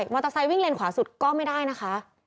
มอเตอร์ไซค์วิ่งเลนขวาสุดก็ไม่ได้นะคะ